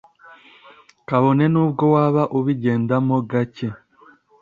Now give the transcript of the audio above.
kabone n’ubwo waba ubigendamo gake